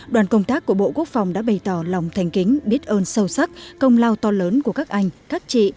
đoàn công tác của bộ quốc phòng đã bày tỏ lòng thành kính biết ơn sâu sắc công lao to lớn của các anh các chị